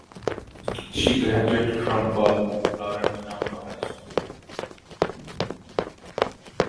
She graduated from Paul Laurence Dunbar High School.